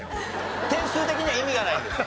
点数的には意味がないです。